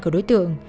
của đối tượng